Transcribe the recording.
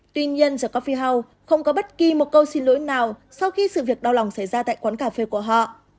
tuy nhiên the cophie house không có bất kỳ một câu xin lỗi nào sau khi sự việc đau lòng xảy ra tại quán cà phê của họ